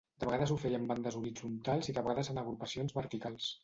De vegades ho feia en bandes horitzontals i de vegades en agrupacions verticals.